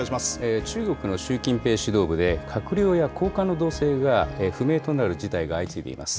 中国の習近平指導部で、閣僚や高官の動静が不明となる事態が相次いでいます。